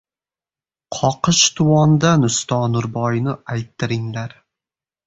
Qoqishtuvondan usto Nurboyni ayttiringlar…